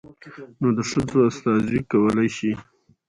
نود ښځو استازي کولى شي.